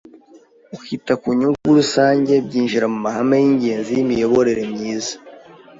ukita ku nyungu rusange byinjira mu mahame y’ingenzi y’imiyoborere myiza